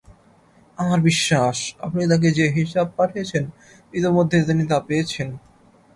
আমার বিশ্বাস, আপনি তাঁকে যে হিসাব পাঠিয়েছেন, ইতোমধ্যে তিনি তা পেয়েছেন।